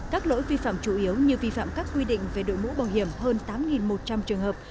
các lỗi vi phạm chủ yếu như vi phạm các quy định về đội mũ bảo hiểm hơn tám một trăm linh trường hợp